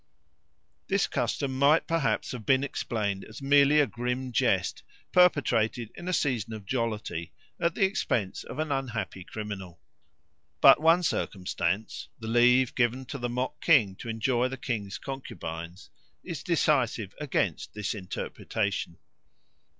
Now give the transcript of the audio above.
This custom might perhaps have been explained as merely a grim jest perpetrated in a season of jollity at the expense of an unhappy criminal. But one circumstance the leave given to the mock king to enjoy the king's concubines is decisive against this interpretation.